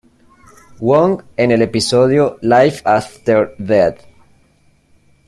Wong en el episodio "Life after Death".